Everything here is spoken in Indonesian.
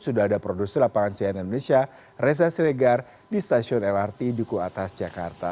sudah ada produser lapangan cnn indonesia reza siregar di stasiun lrt duku atas jakarta